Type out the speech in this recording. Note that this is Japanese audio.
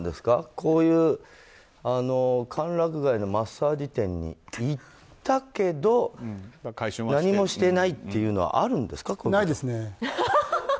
こういう歓楽街のマッサージ店に行ったけど、何もしてないというのはあるんですか？